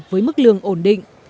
với mức lương ổn định